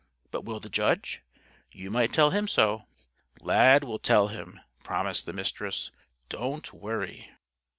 "But will the Judge? You might tell him so." "Lad will tell him," promised the Mistress. "Don't worry."